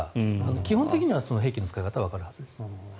基本的には兵器の使い方はわかるはずです。